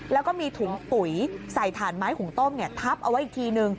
แล้วก็มีถุงปุ๋ยใส่ถ่านไม้หุงต้มทับเอาไว้อีกทีนึง